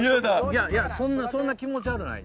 いやいやそんな気持ち悪ない。